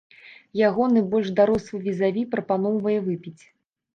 Ягоны больш дарослы візаві прапаноўвае выпіць.